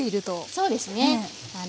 そうですね。